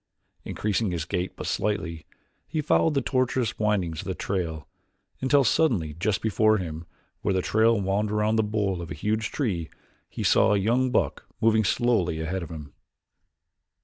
Increasing his gait but slightly he followed the tortuous windings of the trail until suddenly just before him, where the trail wound about the bole of a huge tree, he saw a young buck moving slowly ahead of him.